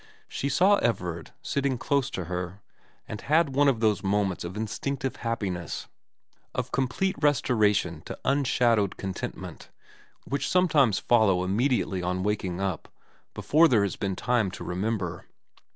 She saw Everard sitting close to her, and had one of those moments of instinctive happiness, of complete restoration to unshadowed contentment, which sometimes follow immediately on waking up, before there has been time to remember.